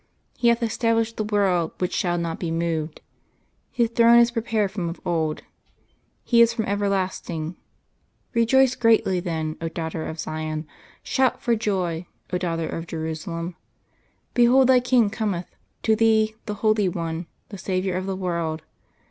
He hath established the world which shall not be moved: His throne is prepared from of old. He is from everlasting. Rejoice greatly then, O daughter of Zion, shout for joy, O daughter of Jerusalem; behold thy King cometh, to thee, the Holy One, the Saviour of the world.